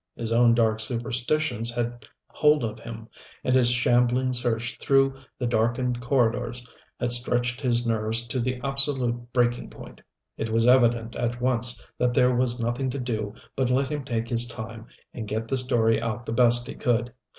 His own dark superstitions had hold of him, and his shambling search through the darkened corridors had stretched his nerves to the absolute breaking point. It was evident at once that there was nothing to do but let him take his time and get the story out the best he could.